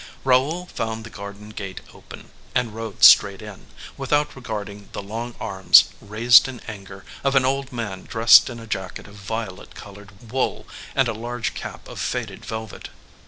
Raoul found the garden gate open, and rode straight in, without regarding the long arms, raised in anger, of an old man dressed in a jacket of violet colored wool, and a large cap of faded velvet.